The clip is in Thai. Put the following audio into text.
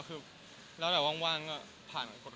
เสื้องล้อกกลางผมแปลกผมปกติ